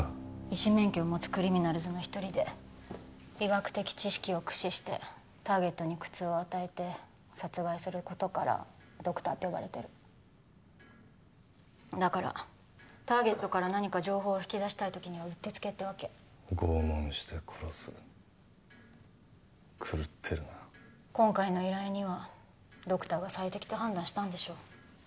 医師免許を持つクリミナルズの一人で医学的知識を駆使してターゲットに苦痛を与えて殺害することから「ドクター」って呼ばれてるだからターゲットから何か情報を引き出したいときにはうってつけってわけ拷問して殺す狂ってるな今回の依頼にはドクターが最適って判断したんでしょ